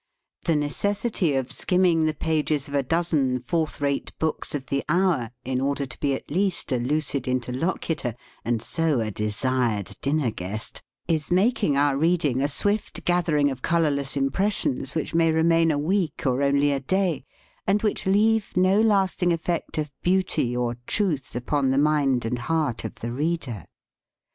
The necessity of skimming the pages of a dozen fourth rate books of the hour, in order to be at least a lucid interlocutor and so a desired dinner guest, is making our reading a swift gathering of colorless impressions which may remain a week or only a day, and which leave no last ing effect of beauty or truth upon the mind and heart of the reader.